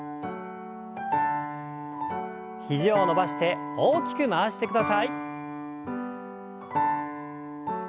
肘を伸ばして大きく回してください。